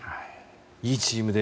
いいチームで。